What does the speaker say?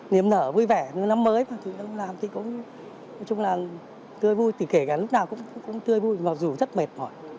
niềm nở vui vẻ trong năm mới làm thì cũng tươi vui kể cái lúc nào cũng tươi vui mặc dù rất mệt